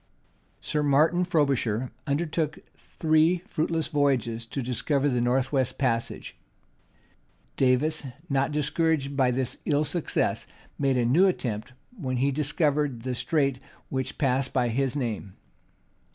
Sir Martin Frobisher undertook three fruitless voyages to discover the north west passage: Davis, not discouraged by this ill success, made a new attempt, when he discovered the straits which pass by his name.